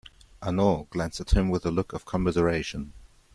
Hanaud glanced at him with a look of commiseration.